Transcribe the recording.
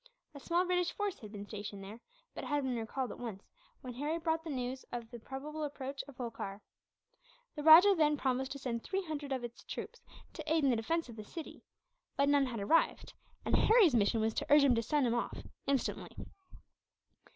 A small British force had been stationed there; but it had been recalled, at once, when Harry brought the news of the probable approach of Holkar. The rajah then promised to send three hundred of his troops, to aid in the defence of the city; but none had arrived, and Harry's mission was to urge him to send them off, instantly.